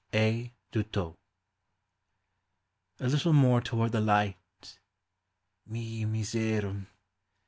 — a. d'houdetot. A little more toward the light. Me miserum.